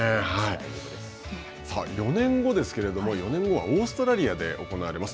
さあ４年後ですけれども、４年後はオーストラリアで行われます。